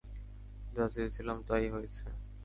যা চেয়েছিলাম তাই হয়েছে।